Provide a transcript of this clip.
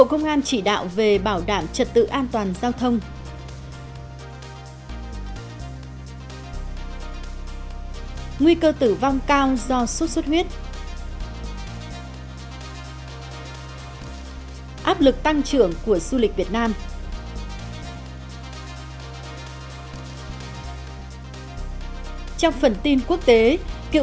hãy đăng ký kênh để ủng hộ kênh của chúng mình nhé